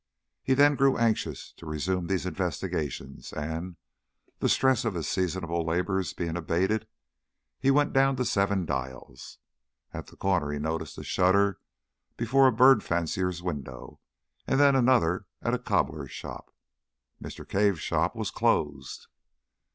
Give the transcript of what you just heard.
He then grew anxious to resume these investigations, and, the stress of his seasonal labours being abated, he went down to Seven Dials. At the corner he noticed a shutter before a bird fancier's window, and then another at a cobbler's. Mr. Cave's shop was closed.